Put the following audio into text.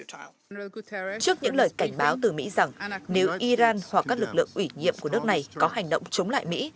trước những lời cảnh báo từ mỹ rằng nếu iran hoặc các lực lượng ủy nhiệm của nước này có hành động chống lại mỹ